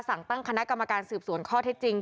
สั่งตั้งคณะกรรมการสืบสวนข้อเท็จจริง